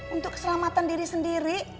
untuk keselamatan diri sendiri